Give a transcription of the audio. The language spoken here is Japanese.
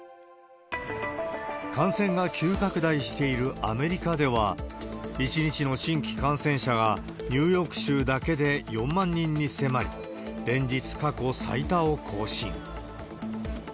感染が急拡大しているアメリカでは、１日の新規感染者がニューヨーク州だけで４万人に迫り、連日過去最多を更新。